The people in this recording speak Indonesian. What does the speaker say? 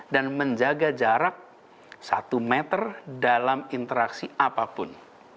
dan menjaga jarak satu meter dalam interaksi apapun